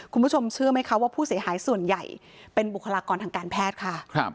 คุณผู้ชมเชื่อไหมคะว่าผู้เสียหายส่วนใหญ่เป็นบุคลากรทางการแพทย์ค่ะ